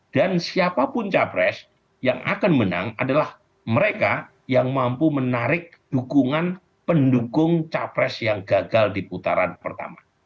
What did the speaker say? siapapun capres yang akan menang adalah mereka yang mampu menarik dukungan pendukung capres yang gagal di putaran pertama